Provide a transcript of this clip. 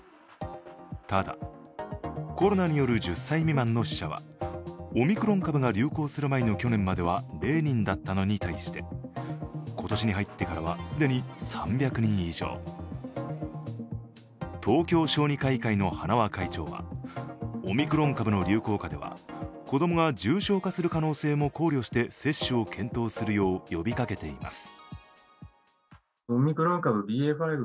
ただ、コロナによる１０歳未満の死者はオミクロン株が流行する前の去年までは０人だったのに対して今年に入ってからは既に３００人以上東京小児科医会の塙会長はオミクロン株の流行下では子供が重症化する可能性も考慮して接種を検討するよう呼びかけています。